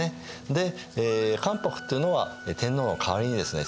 で関白っていうのは天皇の代わりにですね